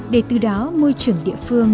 để từ đó môi trường địa phương